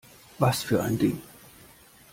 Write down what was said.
Was für ein Ding?